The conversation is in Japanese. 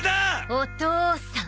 お父さん。